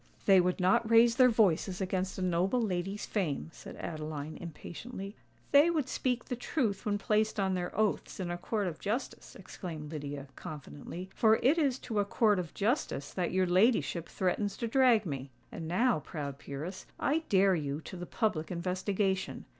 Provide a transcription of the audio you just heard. "They would not raise their voices against a noble lady's fame," said Adeline, impatiently. "They would speak the truth when placed on their oaths in a court of justice," exclaimed Lydia, confidently; "for it is to a court of justice that your ladyship threatens to drag me. And now, proud peeress, I dare you to the public investigation!